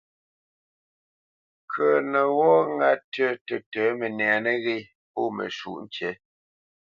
Ŋkə̄ə̄nə́ wɔ́ ŋá tʉ tətə̌ mənɛ nəghé pô məshwúʼ ŋkǐ.